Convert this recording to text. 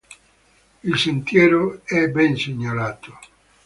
Il sentiero è ben segnalato.